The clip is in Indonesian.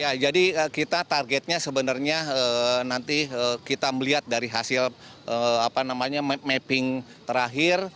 ya jadi kita targetnya sebenarnya nanti kita melihat dari hasil mapping terakhir